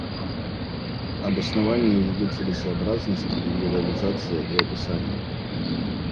Обоснование ее целесообразности, ее реализация и описание.